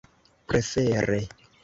prefere